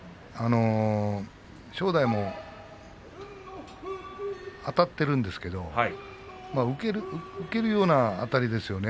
正代もあたっているんですけど受けるような、あたりですよね。